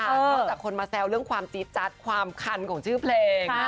นอกจากคนมาแซวเรื่องความจี๊ดจัดความคันของชื่อเพลง